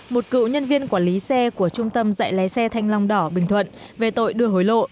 một cựu nhân viên quản lý xe của trung tâm dạy lái xe thanh long đỏ bình thuận về tội đưa hối lộ